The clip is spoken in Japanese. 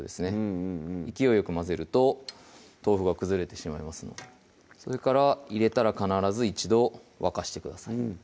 うんうんうん勢いよく混ぜると豆腐が崩れてしまいますのでそれから入れたら必ず一度沸かしてください